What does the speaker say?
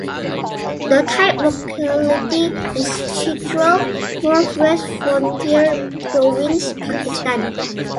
The type locality is "Chitral, Northwest Frontier Province, Pakistan".